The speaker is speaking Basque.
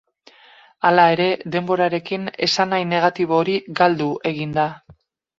Hala ere denborarekin esanahi negatibo hori galdu egin da.